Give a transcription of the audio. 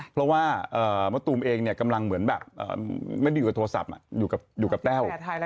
เพราะว่ามะตูมเองกำลังเหมือนแบบไม่ได้อยู่กับโทรศัพท์อยู่กับแต้ว